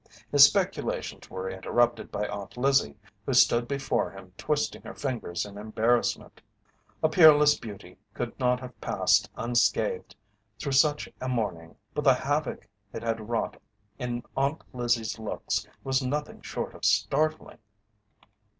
His speculations were interrupted by Aunt Lizzie, who stood before him twisting her fingers in embarrassment. A peerless beauty could not have passed unscathed through such a morning, but the havoc it had wrought in Aunt Lizzie's looks was nothing short of startling.